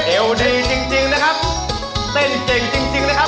เอวดีจริงนะครับเต้นเจ๋งจริงนะครับ